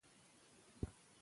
لمر له غره راوخوت.